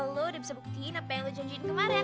lo udah bisa buktiin apa yang lo janjin kemarin